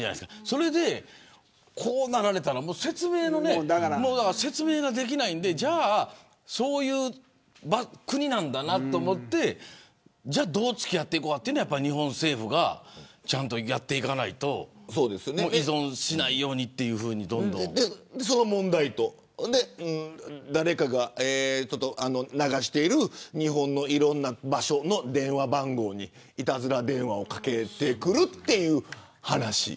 それで、こうなられたら説明ができないんでじゃあそういう国なんだなと思ってどう付き合っていこうかというのは日本政府がちゃんとやっていかないとその問題と誰かが流している日本のいろんな場所の電話番号にいたずら電話をかけてくるという話。